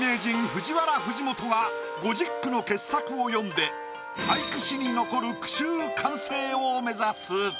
ＦＵＪＩＷＡＲＡ藤本が５０句の傑作を詠んで俳句史に残る句集完成を目指す。